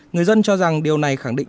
người dân cho rằng điều này khẳng định